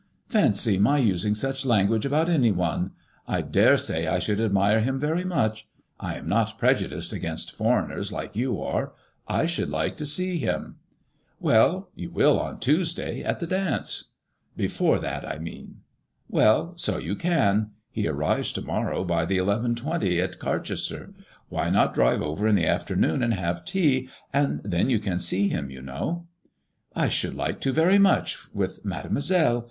"Fancy my using such lan guage about any one! I dare say I should admire him very much. I am not prejudiced against foreigners, like you are ; I should like to see him." I ICADRMOTSBLLS IXE, TO3 " Well, you will, on Tuesday, at the dance." " Before that, I mean/' "Well, 80 you can. He ar rives to morrow by the xi.to at Carchester. Why not drive over in the afternoon, and have tea, and then you can see him, you know ?••*' I should like to very much, with Mademoiselle.